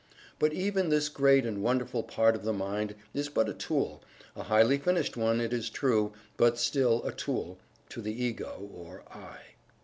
But even this great and wonderful part of the mind is but a tool a highly finished one, it is true, but still a tool to the Ego, or "I."